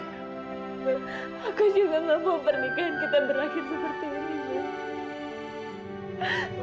mas aku juga nggak mau pernikahan kita berakhir seperti ini mas